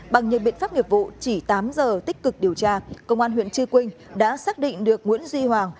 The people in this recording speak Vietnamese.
bằng những biện pháp nghiệp vụ chỉ tám giờ tích cực điều tra công an huyện chư quynh đã xác định được nguyễn duy hoàng